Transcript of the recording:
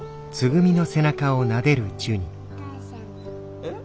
えっ？